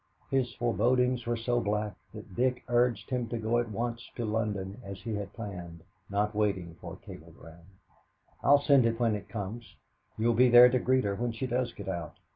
His forebodings were so black that Dick urged him to go at once to London, as he had planned, not waiting for a cablegram: "I will send it when it comes. You'll be there to greet her when she does get out.